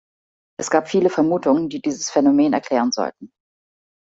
Es gab viele Vermutungen, die dieses Phänomen erklären sollten.